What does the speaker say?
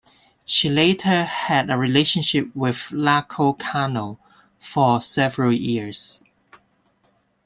She later had a relationship with Nacho Cano for several years.